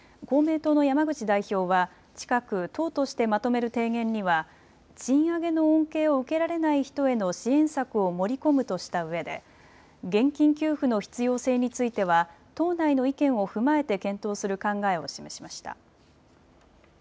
公明党の山口代表は近く党としてまとめる提言には賃上げの恩恵を受けられない人への支援策を盛り込むとしたうえで現金給付の必要性については党内の意見を踏まえて検討する考えを示しました。